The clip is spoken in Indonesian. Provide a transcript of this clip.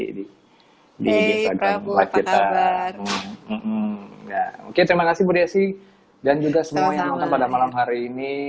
di desa kan apa kabar ya oke terima kasih bu desi dan juga semua yang nonton pada malam hari ini